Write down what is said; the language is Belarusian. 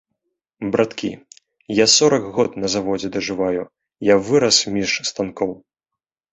Браткі, я сорак год на заводзе дажываю, я вырас між станкоў.